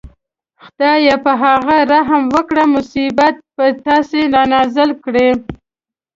خدای په هغه رحم وکړي مصیبت په تاسې رانازل کړي.